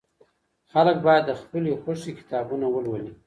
خلګ بايد د خپلي خوښې کتابونه ولولي.